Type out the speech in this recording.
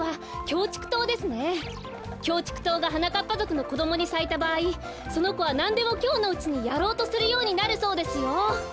キョウチクトウがはなかっぱぞくのこどもにさいたばあいそのこはなんでもきょうのうちにやろうとするようになるそうですよ。